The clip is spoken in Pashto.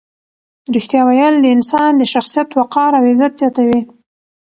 ریښتیا ویل د انسان د شخصیت وقار او عزت زیاتوي.